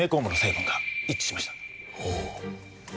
ほう。